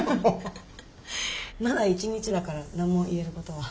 まだ１日だから何も言えることは。